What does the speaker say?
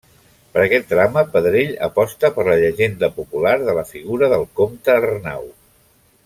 Per aquest drama, Pedrell aposta per la llegenda popular de la figura del Comte Arnau.